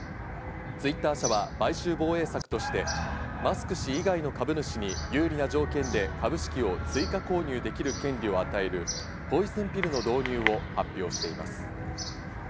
Ｔｗｉｔｔｅｒ社は買収防衛策としてマスク氏以外の株主に有利な条件で株式を追加購入できる権利を与えるポイズンピルの導入を発表しています。